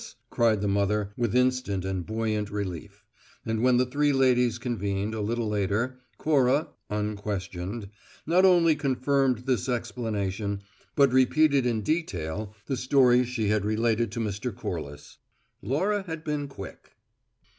cried the mother with instant and buoyant relief; and when the three ladies convened, a little later, Cora (unquestioned) not only confirmed this explanation, but repeated in detail the story she had related to Mr. Corliss. Laura had been quick.